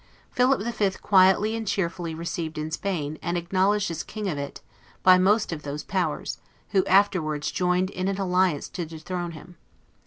Philip the Fifth quietly and cheerfully received in Spain, and acknowledged as King of it, by most of those powers, who afterward joined in an alliance to dethrone him.